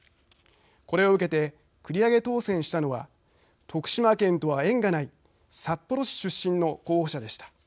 これを受けて繰り上げ当選したのは徳島県とは縁がない札幌市出身の候補者でした。